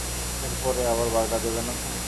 এর পরে আবার বাগড়া দেবে না তো?